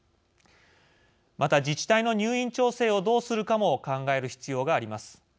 また、自治体の入院調整をどうするかも考える必要があります。